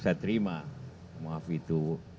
saya terima maaf itu